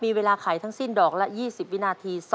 มีเวลาไขทั้งสิ้นดอกละ๒๐วินาที